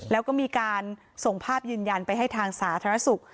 แล้วก็มีการส่งภาพยืนยันไปให้ทางสาธารณสุข